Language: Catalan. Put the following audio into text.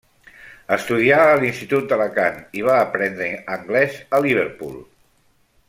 Estudià a l'Institut d'Alacant i va aprendre anglès a Liverpool.